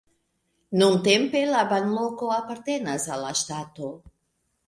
Nuntempe la banloko apartenas al la ŝtato.